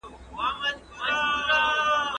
ستاسو په خبرو کي به اخلاص وي.